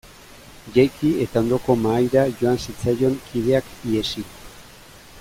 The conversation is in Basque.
Jaiki eta ondoko mahaira joan zitzaizkion kideak ihesi.